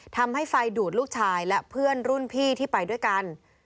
ทำให้ไฟดูดลูกชายและเพื่อนรุ่นพี่ที่ไปด้วยกัน